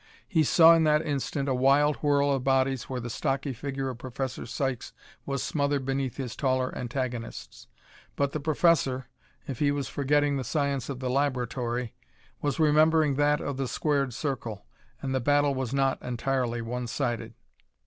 He saw in that instant a wild whirl of bodies where the stocky figure of Professor Sykes was smothered beneath his taller antagonists. But the professor, if he was forgetting the science of the laboratory, was remembering that of the squared circle and the battle was not entirely one sided.